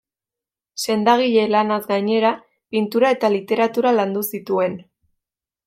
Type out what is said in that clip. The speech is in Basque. Sendagile-lanaz gainera, pintura eta literatura landu zituen.